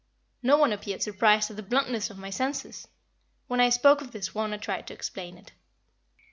No one appeared surprised at the bluntness of my senses. When I spoke of this Wauna tried to explain it.